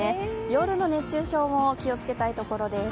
夜の熱中症も気をつけたいところです。